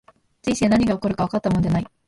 人生、何が起こるかわかったもんじゃない